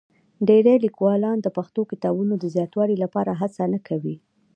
ډېری لیکوالان د پښتو کتابونو د زیاتوالي لپاره هڅه نه کوي.